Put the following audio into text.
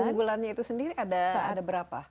keunggulannya itu sendiri ada berapa